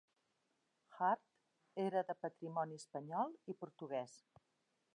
Hart era de patrimoni espanyol i portuguès.